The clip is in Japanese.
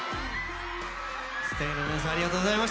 ＳＴＡＹの皆さんありがとうございました！